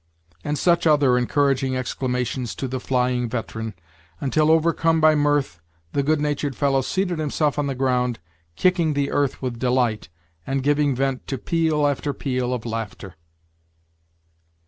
and such other encouraging exclamations to the flying veteran, until, overcome by mirth, the good natured fellow seated himself on the ground, kicking the earth with delight, and giving vent to peal after peal of laughter.